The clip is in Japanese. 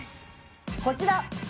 こちら！